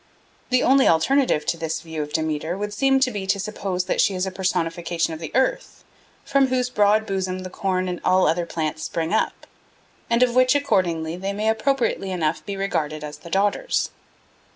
The only alternative to this view of Demeter would seem to be to suppose that she is a personification of the earth, from whose broad bosom the corn and all other plants spring up, and of which accordingly they may appropriately enough be regarded as the daughters.